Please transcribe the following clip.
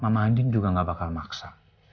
mama andin juga gak bakal maksa